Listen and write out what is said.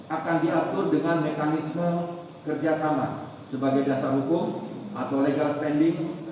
akan diatur dengan mekanisme kerjasama sebagai dasar hukum atau legal standing